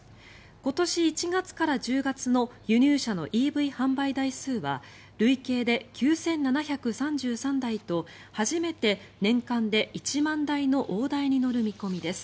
今年１月から１０月の輸入車のＥＶ販売台数は累計で９７３３台と初めて年間で１万台の大台に乗る見込みです。